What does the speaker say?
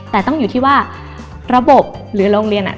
แต่ต้องอยู่ที่ว่าระบบหรือโรงเรียน